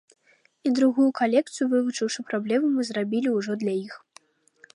І другую калекцыю, вывучыўшы праблемы, мы зрабілі ўжо для іх.